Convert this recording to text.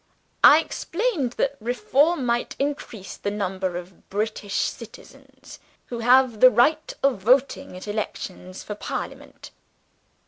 I explained that reform might increase the number of British citizens who had the right of voting at elections for parliament.